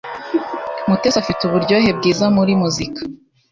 Mutesi afite uburyohe bwiza muri muzika.